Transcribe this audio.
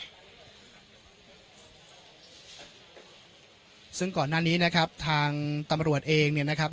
ซึ่งก่อนหน้านี้นะครับทางตำรวจเองเนี่ยนะครับ